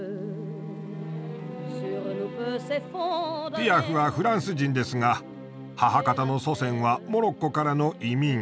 ピアフはフランス人ですが母方の祖先はモロッコからの移民。